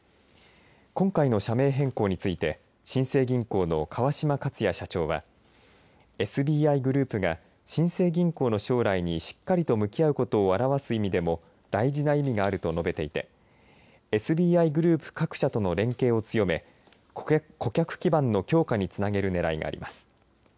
今回の社名変更について新生銀行の川島克哉社長はＳＢＩグループが新生銀行の将来にしっかりと向き合うことを表す意味でも大事な意味があると述べていてＳＢＩグループ各社との連携を強め顧客基盤の強化につなげるねらいがあります。